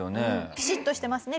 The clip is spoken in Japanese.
ピシッとしてますね